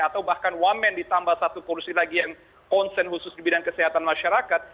atau bahkan wamen ditambah satu kursi lagi yang konsen khusus di bidang kesehatan masyarakat